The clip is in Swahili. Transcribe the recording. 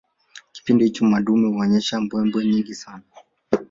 Kipindi hicho madume huonyesha mbwembwe nyingi sana